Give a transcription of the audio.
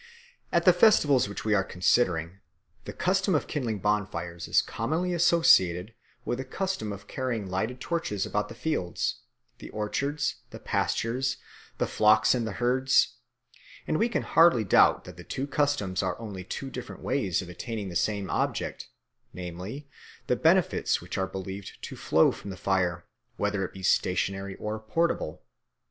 At the festivals which we are considering the custom of kindling bonfires is commonly associated with a custom of carrying lighted torches about the fields, the orchards, the pastures, the flocks and the herds; and we can hardly doubt that the two customs are only two different ways of attaining the same object, namely, the benefits which are believed to flow from the fire, whether it be stationary or portable.